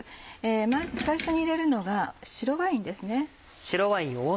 まず最初に入れるのが白ワインですね。